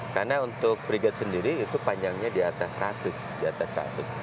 karena untuk frigate sendiri itu panjangnya di atas seratus